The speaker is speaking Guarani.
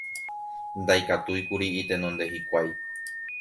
Ndaikatúikuri itenonde hikuái